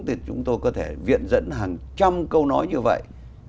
thì chúng tôi có thể viện dẫn hàng trăm câu nói như vậy